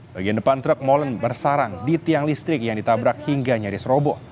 bagian depan truk molen bersarang di tiang listrik yang ditabrak hingga nyaris robo